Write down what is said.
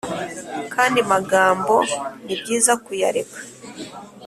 kandi magambo nibyiza kuyareka